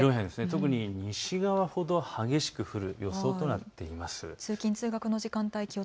特に西側ほど激しく降る予想となっています。